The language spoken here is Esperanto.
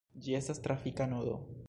Ĝi estas trafika nodo.